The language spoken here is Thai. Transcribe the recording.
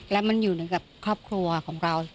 และมันอยู่ในครอบครัวของเรา